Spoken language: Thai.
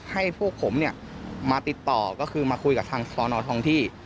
ให้พวกผมเนี่ยมาติดต่อก็คือมาคุยกับทางสอนอทองที่